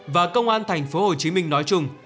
và công an thành phố hồ chí minh nói chung